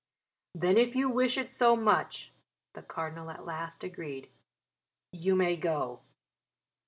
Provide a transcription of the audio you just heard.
"Then if you wish it so much," the Cardinal at last agreed, "you may go."